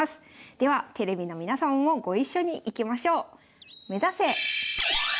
ではテレビの皆様もご一緒にいきましょう！